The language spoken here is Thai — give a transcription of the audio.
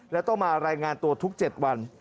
และต้องมารายงานตัวทุก๗วัน